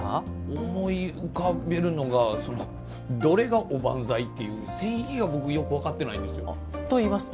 思い浮かべるのがどれがおばんざい？っていう定義が分かってないんですよ。